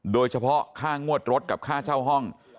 โดยเฉพาะค่างวดรถกับค่าเช่าห้อง